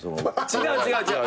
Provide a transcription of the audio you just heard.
違う違う違う！